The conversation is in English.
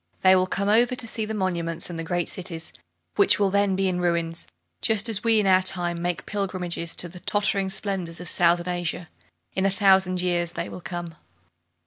They will come over to see the monuments and the great cities, which will then be in ruins, just as we in our time make pilgrimages to the tottering splendors of Southern Asia. In a thousand years they will come!